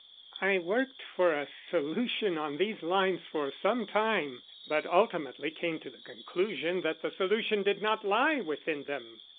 "I worked for a solution on these lines for some time, but ultimately came to the conclusion that the solution did not lie within them.